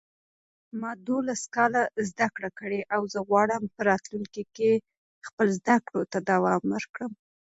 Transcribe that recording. ما دولس کاله زده کړې او زه غواړم په .راتلونکي کې خپل زده کړو ته دوام ورکړم